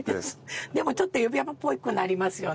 でもちょっと指輪っぽくなりますよね。